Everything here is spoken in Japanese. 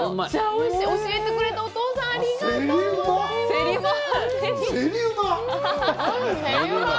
教えてくれたお父さん、ありがとうございます。